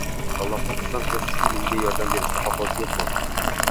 Allohni xursand qilish uchun menga yordam berishni xohlovchi yo`qmi